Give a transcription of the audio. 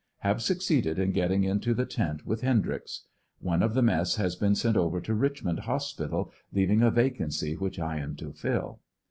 Have succeeded in gettim^ into the tent with Hendryx. One of the mess has been sent over to Richmond Hospital leaving a vacancy which I am to fill.